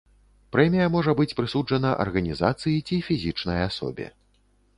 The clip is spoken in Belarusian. Прэмія можа быць прысуджана арганізацыі ці фізічнай асобе.